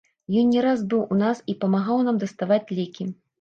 Ён не раз быў у нас і памагаў нам даставаць лекі.